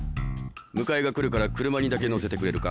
迎えが来るから車にだけ乗せてくれるか？